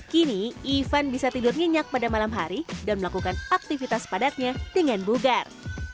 kini ivan bisa tidur nyenyak pada malam hari dan melakukan aktivitas padatnya dengan bugar